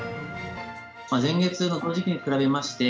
前月のこの時期に比べまして、